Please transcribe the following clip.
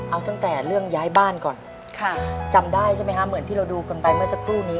เอาตั้งแต่เรื่องย้ายบ้านก่อนจำได้ใช่ไหมคะเหมือนที่เราดูกันไปเมื่อสักครู่นี้